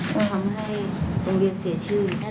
ก็ทำให้โรงเรียนเสียชื่อ